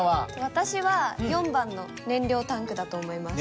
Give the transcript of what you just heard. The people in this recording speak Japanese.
私は４番の燃料タンクだと思います。